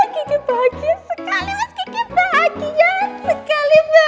kiki bahagia sekali mas